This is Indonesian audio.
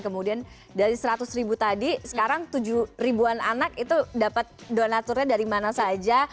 kemudian dari seratus ribu tadi sekarang tujuh ribuan anak itu dapat donaturnya dari mana saja